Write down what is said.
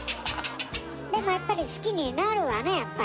でもやっぱり好きになるわねやっぱりね。